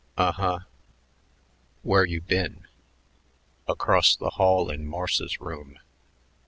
"Un huh. Where you been?" "Across the hall in Morse's room."